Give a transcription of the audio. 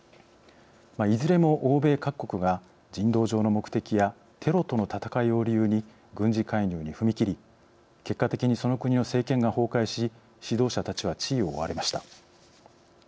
いずれも欧米各国が人道上の目的やテロとの戦いを理由に軍事介入に踏み切り結果的にその国の政権が崩壊し指導者たちは地位を追われました。